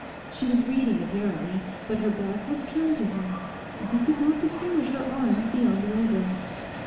She was reading apparently; but her back was turned to him and he could not distinguish her arm beyond the elbow.